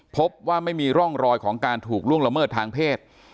พบว่าไม่มีร่องรอยของการถูกล่วงละเมิดทางเพศ